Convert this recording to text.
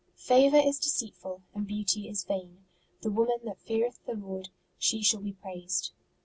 Favour is deceitful, and beauty is vain : the woman that feareth the Lord, she shall be praised.